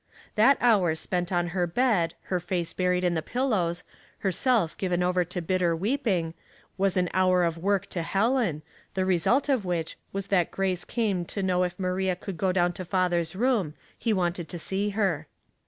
That hour spent on her bed, her face buried in the pillows, her self given over to bitter weeping, was an hour of work to Helen, the result of which was that Grace came to know if Maria could go down to father's room, he wanted to see her.